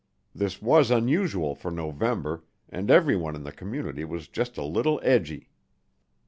This was unusual for November and everyone in the community was just a little edgy.